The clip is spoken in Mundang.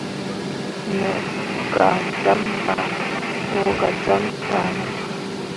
Me gah jam ɓah wǝ gah ɗe tah ne.